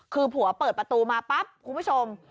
คือผัวเปิดประตูมาปั๊บคุณผู้ชม